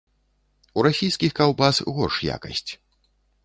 У расійскіх каўбас горш якасць.